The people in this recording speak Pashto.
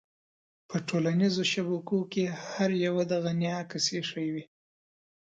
په ټولنيزو شبکو کې هر يوه د غني عکس اېښی وي.